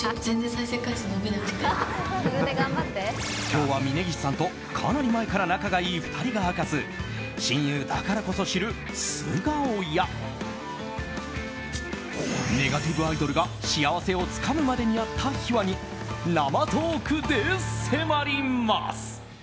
今日は峯岸さんとかなり前から仲がいい２人が明かす親友だからこそ知る素顔やネガティブアイドルが幸せをつかむまでにあった秘話に生トークで迫ります。